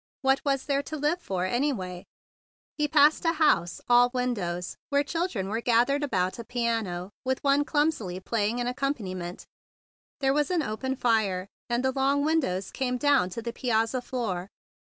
What was there to live for, anyway? He passed a house all windows, where children were gathered about a piano with one clumsily playing an ac¬ companiment. There was an open fire, and the long windows came down to the piazza floor.